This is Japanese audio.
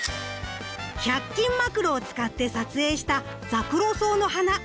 １００均マクロを使って撮影したザクロソウの花。